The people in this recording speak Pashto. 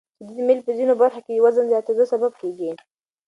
شدید میل په ځینو برخو کې د وزن زیاتېدو سبب کېږي.